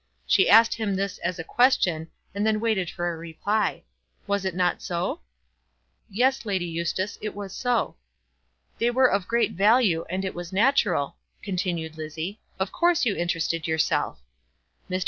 She asked him this as a question, and then waited for a reply. "Was it not so?" "Yes, Lady Eustace; it was so." "They were of great value, and it was natural," continued Lizzie. "Of course you interested yourself. Mr.